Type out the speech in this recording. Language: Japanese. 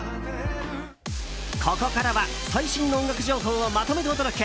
ここからは最新の音楽情報をまとめてお届け。